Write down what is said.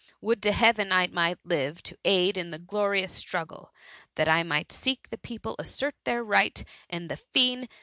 Would to Heaven I might live to aid in the glorious struggle; that t might see the people assert their right, and the fiend.